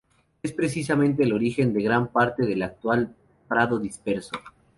Éste es precisamente el origen de gran parte del actual "Prado disperso".